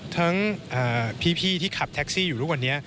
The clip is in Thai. ทั้งพี่ที่ขับแท็กซี่อยู่ทุกวันนี้